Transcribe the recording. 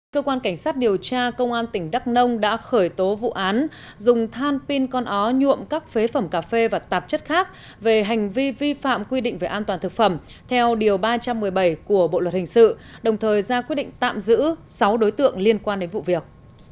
cơ quan cảnh sát điều tra công an tỉnh đắk nông đã khởi tố vụ án dùng than pin con ó nhuộm các phế phẩm cà phê và tạp chất khác về hành vi vi phạm quy định về an toàn thực phẩm theo điều ba trăm một mươi bảy của bộ luật hình sự đồng thời ra quyết định tạm giữ sáu đối tượng liên quan đến vụ việc